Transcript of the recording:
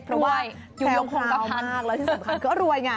เพราะว่าแพ้วคลาวมากแล้วที่สำคัญก็รวยไง